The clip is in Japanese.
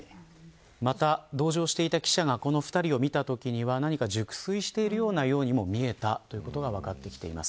また同乗していた記者がこの２人を見たときには熟睡してるようにも見えたといううことが分かっています。